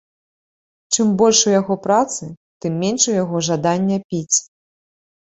Чым больш у яго працы, тым менш у яго жадання піць.